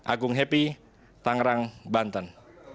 agung happy tangerang banten